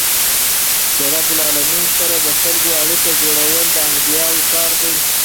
له رب العالمین سره د خلکو اړیکه جوړول د انبياوو کار دئ.